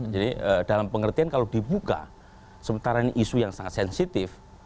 jadi dalam pengertian kalau dibuka sementara ini isu yang sangat sensitif